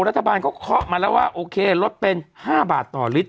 รัฐบาลเขาเคาะมาแล้วว่าโอเคลดเป็น๕บาทต่อลิตร